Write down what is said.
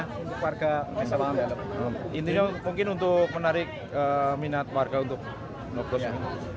hai warga misalnya intinya mungkin untuk menarik minat warga untuk noposnya